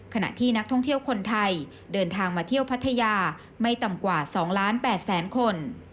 ขณะที่นักท่องเที่ยวคนไทยเดินทางมาเที่ยวพัทยาไม่ต่ำกว่า๒ล้าน๘แสนคน